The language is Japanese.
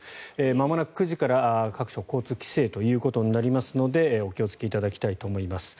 まもなく９時から各所、交通規制ということになりますのでお気をつけいただきたいと思います。